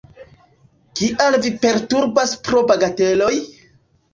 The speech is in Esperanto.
Kial vi perturbas pro bagateloj?